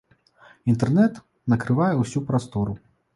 Інтэрнэт накрывае ўсю прастору.